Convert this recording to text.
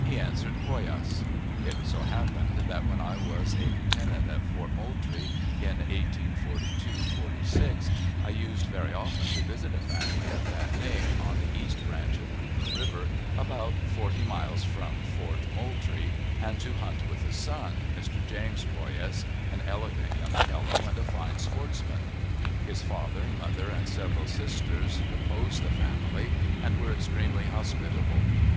He answered Poyas. It so happened that, when I was a lieutenant at Fort Moultrie, in 1842 '46, I used very often to visit a family of that name on the east branch of Cooper River, about forty miles from Fort Moultrie, and to hunt with the son, Mr. James Poyas, an elegant young fellow and a fine sportsman. His father, mother, and several sisters, composed the family, and were extremely hospitable.